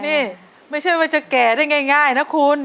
นี่ไม่ใช่ว่าจะแก่ได้ง่ายนะคุณ